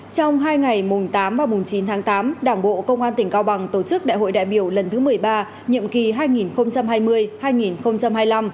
trong hai ngày mùng tám và mùng chín tháng tám đảng bộ công an tỉnh cao bằng tổ chức đại hội đại biểu lần thứ một mươi ba nhiệm kỳ hai nghìn hai mươi hai nghìn hai mươi năm